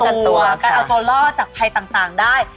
การเอาตัวรอดจากภัยต่างได้